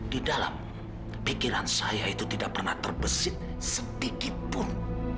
di dalam pikiran saya itu tidak pernah terbesit sedikitpun